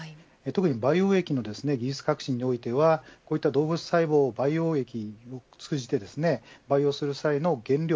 培養液の技術革新においてはこういった動物細胞を培養液を通じて培養する際の原料